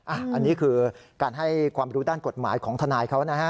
อันนี้คือการให้ความรู้ด้านกฎหมายของทนายเขานะฮะ